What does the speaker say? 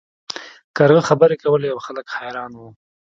کارغه خبرې کولې او خلک حیران وو.